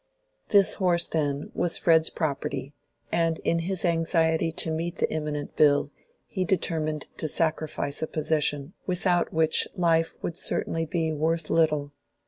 This horse, then, was Fred's property, and in his anxiety to meet the imminent bill he determined to sacrifice a possession without which life would certainly be worth little.